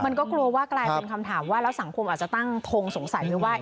มันก็กลัวว่ากลายเป็นคำถามว่าแล้วสังคมอาจจะตั้งทงสงสัยไว้ว่า